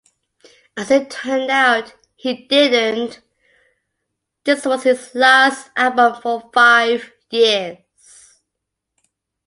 As it turned out, he didn't; this was his last album for five years.